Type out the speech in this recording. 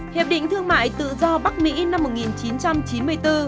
hiệp định thương mại tự do bắc mỹ năm một nghìn chín trăm chín mươi bốn